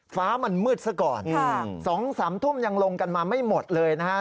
ฟ้ามันมืดซะก่อน๒๓ทุ่มยังลงกันมาไม่หมดเลยนะฮะ